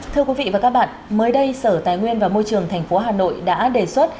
thưa quý vị và các bạn mới đây sở tài nguyên và môi trường tp hà nội đã đề xuất